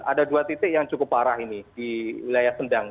ada dua titik yang cukup parah ini di wilayah sendang